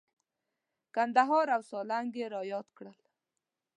کندهار او سالنګ یې را یاد کړل.